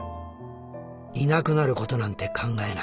いなくなることなんて考えない。